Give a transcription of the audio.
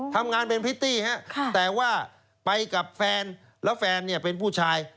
ทำงานเป็นพริตตี้ฮะแต่ว่าไปกับแฟนแล้วแฟนเนี่ยเป็นผู้ชาย